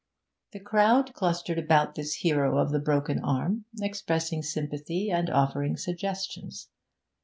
The crowd clustered about this hero of the broken arm, expressing sympathy and offering suggestions.